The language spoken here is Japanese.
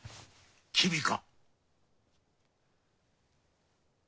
君か。